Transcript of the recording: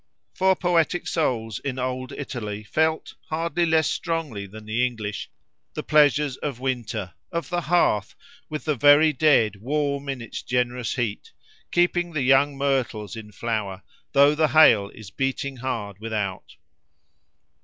For poetic souls in old Italy felt, hardly less strongly than the English, the pleasures of winter, of the hearth, with the very dead warm in its generous heat, keeping the young myrtles in flower, though the hail is beating hard without.